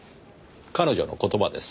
彼女の言葉です。